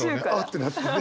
てなってね。